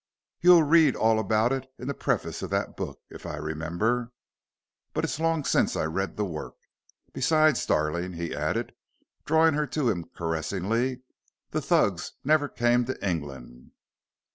You'll read all about it in the preface of that book, if I remember. But it's long since I read the work. Besides, darling," he added, drawing her to him caressingly, "the Thugs never came to England."